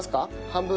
半分？